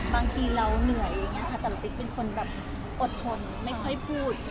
บางทีเราเหนื่อยอย่างนี้ค่ะแต่ติ๊กเป็นคนแบบอดทนไม่ค่อยพูด